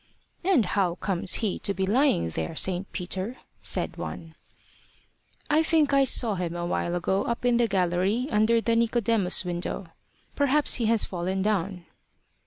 "And how comes he to be lying there, St. Peter?" said one. "I think I saw him a while ago up in the gallery, under the Nicodemus window. Perhaps he has fallen down.